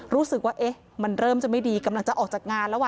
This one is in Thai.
รู้สึกว่าเอ๊ะมันเริ่มจะไม่ดีกำลังจะออกจากงานแล้ว